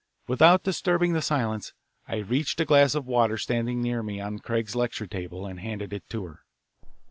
Without disturbing the silence, I reached a glass of water standing near me on Craig's lecture table and handed it to her.